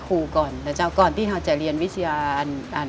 กรูผู้สืบสารล้านนารุ่นแรกแรกรุ่นเลยนะครับผม